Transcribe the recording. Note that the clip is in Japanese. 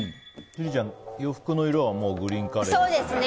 千里ちゃん、洋服の色がもうグリーンカレーですね。